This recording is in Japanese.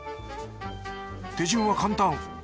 手順は簡単。